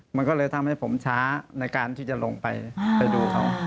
มันก็เลยทำให้ผมช้าในการที่จะลงไปไปดูเขา